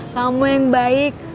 kamu yang baik